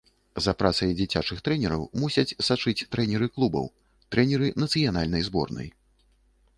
За працай дзіцячых трэнераў мусяць сачыць трэнеры клубаў, трэнеры нацыянальнай зборнай.